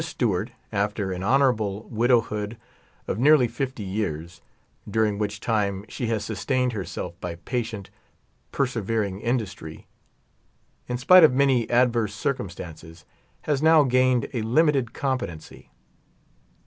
Stewart, after an honorable widowhood of nearh fifty years, dur ing which time she has sustained herself by patient, per severing industry, in spite of many adverse circumstances, has now gained a limited competency.